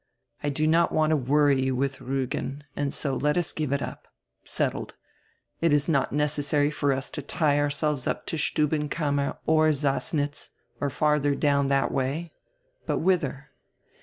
"I do not want to worry you widi Riigen and so let us give it up. Setded. It is not necessary for us to tie ourselves up to Stuhhenkammer or Sassnitz or fardier down diat way. But whither?"